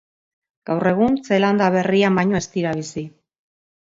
Gaur egun Zeelanda Berrian baino ez dira bizi.